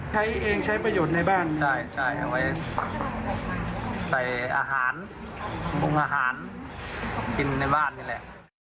ใช้เองใช้ประโยชน์ในบ้านเอาไว้ใส่อาหารปรุงอาหารกินในบ้านนี่แหละ